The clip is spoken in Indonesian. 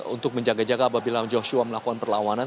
untuk menjaga jaga apabila joshua melakukan perlawanan